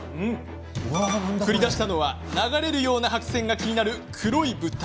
繰り出したのは流れるような白線が気になる黒い物体。